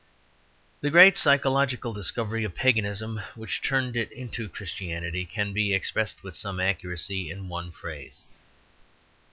The great psychological discovery of Paganism, which turned it into Christianity, can be expressed with some accuracy in one phrase.